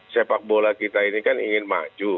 sepak bola kita ini kan ingin maju